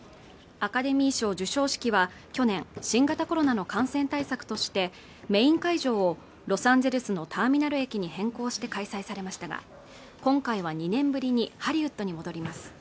アカデミー賞授賞式は去年新型コロナの感染対策としてメイン会場をロサンゼルスのターミナル駅に変更して開催されましたが今回は２年ぶりにハリウッドに戻ります